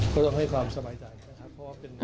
เขาจะให้ความสมายใจนะครับ